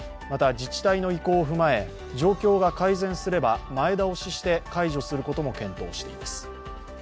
また自治体の意向を踏まえ状況が改善すれば前倒しして解除することも検討しています。